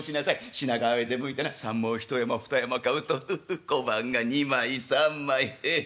品川へ出向いてなさんまを１山２山買うと小判が２枚３枚ヘヘ」。